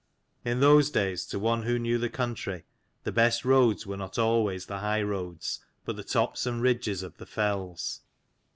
In those days, to one who knew the country, the best roads were not always the high roads, but the tops and ridges of the fells.